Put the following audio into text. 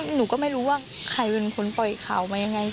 หนูก็ไม่รู้ว่าใครเป็นคนปล่อยข่าวมายังไง